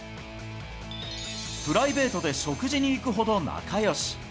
プライベートで食事に行くほど仲よし。